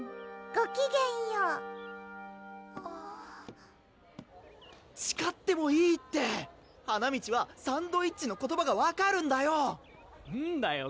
ごきげんようちかってもいいって華満はサンドイッチの言葉が分かるんだよんだよ